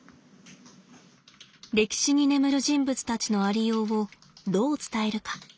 歴史に眠る人物たちのありようをどう伝えるか。